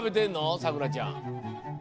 さくらちゃん。